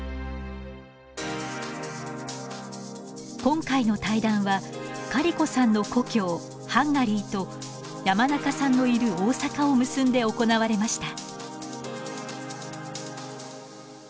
今回の対談はカリコさんの故郷ハンガリーと山中さんのいる大阪を結んで行われました。